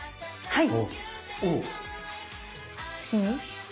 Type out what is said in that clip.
はい！